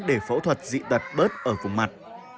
để phẫu thuật dị tật bớt ở vùng mặt